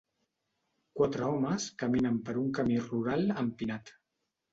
Quatre homes caminen per un camí rural empinat.